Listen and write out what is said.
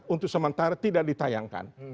untuk sementara tidak ditayangkan